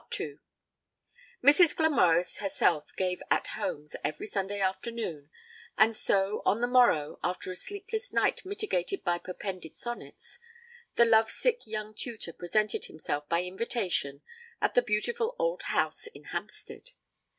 II Mrs. Glamorys herself gave 'At Homes', every Sunday afternoon, and so, on the morrow, after a sleepless night mitigated by perpended sonnets, the love sick young tutor presented himself by invitation at the beautiful old house in Hampstead.